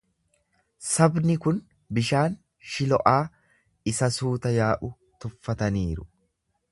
Sabni kun bishaan Shilo'aa isa suuta yaa'u tuffataniiru.